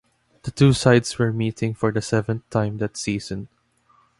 The two sides were meeting for the seventh time that season.